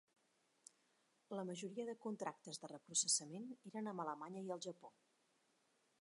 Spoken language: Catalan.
La majoria de contractes de reprocessament eren amb Alemanya i el Japó.